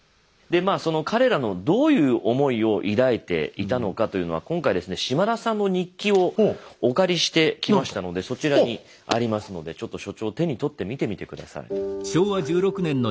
彼らのどういう思いを抱いていたのかというのは今回ですね島田さんの日記をお借りしてきましたのでそちらにありますのでちょっと所長手に取って見てみて下さい。